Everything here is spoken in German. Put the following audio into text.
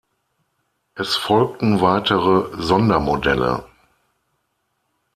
Es folgten weitere „Sondermodelle“.